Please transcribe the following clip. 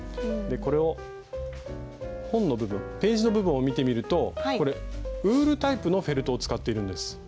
でこれを本の部分ページの部分を見てみるとこれウールタイプのフェルトを使っているんです。